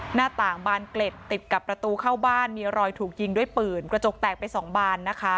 หน้าต่างบานเกล็ดติดกับประตูเข้าบ้านมีรอยถูกยิงด้วยปืนกระจกแตกไปสองบานนะคะ